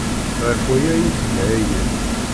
Ɣef waya ay tga ayen.